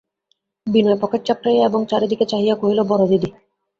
বিনয় pocket চাপড়াইয়া এবং চারি দিকে চাহিয়া কহিল, বড়দিদি!